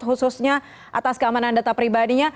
khususnya atas keamanan data pribadinya